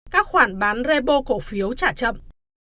các khoản bán repo cổ phiếu trả chậm